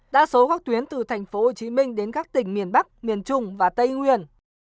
đa số các tuyến từ thành phố hồ chí minh đến các tỉnh miền bắc miền trung và tây nguyên